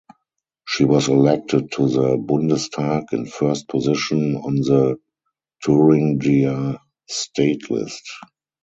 She was elected to the Bundestag in first position on the Thuringia state list.